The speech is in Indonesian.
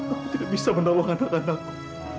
aku tidak bisa menolong anak anakku